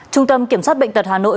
trung tâm kiểm soát bệnh tật hà nội